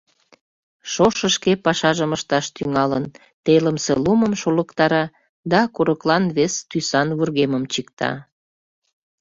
Шошо шке пашажым ышташ тӱҥалын, телымсе лумым шулыктара да курыклан вес тӱсан вургемым чикта.